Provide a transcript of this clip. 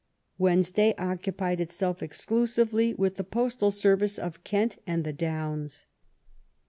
Wednesday oc cupied itself exclusively with the postal service of Kent and the Downs.